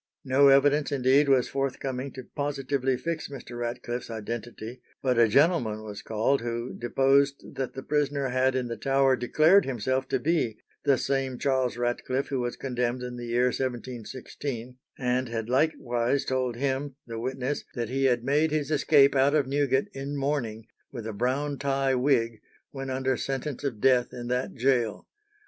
No evidence indeed was forthcoming to positively fix Mr. Ratcliffe's identity; but "a gentleman" was called who deposed that the prisoner had in the Tower declared himself to be the same Charles Ratcliffe who was condemned in the year 1716, and had likewise told him, the witness, that he had made his escape out of Newgate in mourning, with a brown tie wig, when under sentence of death in that gaol.